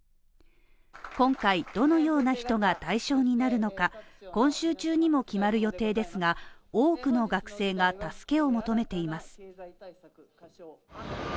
今回どのような人が対象になるのか、今週中にも決まる予定ですが多くの学生が助けを求めています